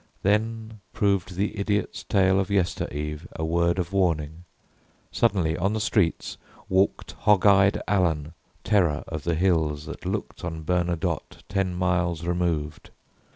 Then proved the idiot's tale of yester eve A word of warning. Suddenly on the streets Walked hog eyed Allen, terror of the hills That looked on Bernadotte ten miles removed.